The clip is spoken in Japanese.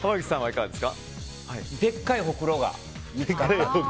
でっかいほくろが見つかった。